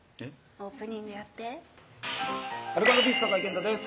オープニングやって「アルコ＆ピース酒井健太です」